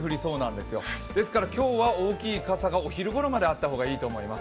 ですから今日は大きい傘がお昼ごろまであった方がいいと思います。